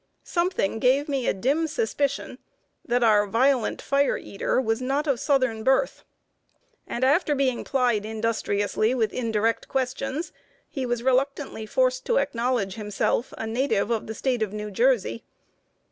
Something gave me a dim suspicion that our violent fire eater was not of southern birth; and, after being plied industriously with indirect questions, he was reluctantly forced to acknowledge himself a native of the State of New Jersey.